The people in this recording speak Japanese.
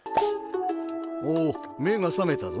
おおめがさめたぞ。